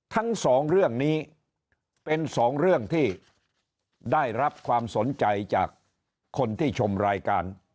ทั้งสองเรื่องนี้เป็นสองเรื่องที่ได้รับความสนใจจากคนที่ชมรายการ